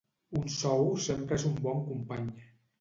Un sou sempre és un bon company.